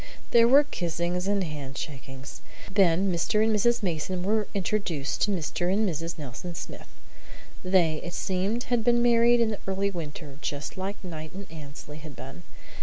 There were kissings and handshakings. Then Mr. and Mrs. Mason were introduced to Mr. and Mrs. Nelson Smith. They, it seemed, had been married in the early winter, just as Knight and Annesley had been.